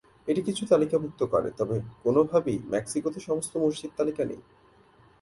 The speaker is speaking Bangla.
এটি কিছু তালিকাভুক্ত করে তবে কোন ভাবেই মেক্সিকোতে সমস্ত মসজিদ তালিকা নেই।